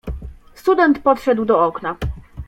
"Student podszedł do okna."